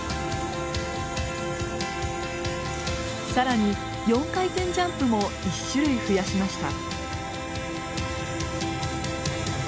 更に４回転ジャンプも１種類増やしました。